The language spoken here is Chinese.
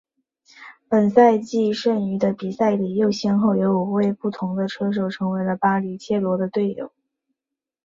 本赛季剩余的比赛里又先后有五位不同的车手成为了巴里切罗的队友。